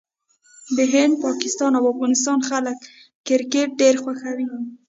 د هند، پاکستان او افغانستان خلک کرکټ ډېر خوښوي.